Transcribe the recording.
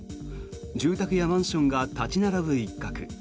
住宅やマンションが立ち並ぶ一角。